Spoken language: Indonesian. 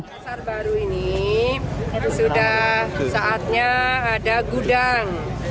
pasar baru ini sudah saatnya ada gudang